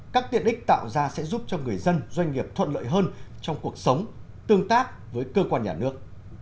các tiện ích tạo ra sẽ giúp cho người dân doanh nghiệp thuận lợi hơn trong cuộc sống tương tác với cơ quan nhà nước